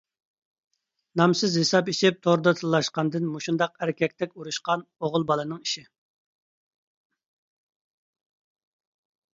نامسىز ھېساپ ئېچىپ توردا تىللاشقاندىن مۇشۇنداق ئەركەكتەك ئۇرۇشقان ئوغۇل بالىنىڭ ئىشى.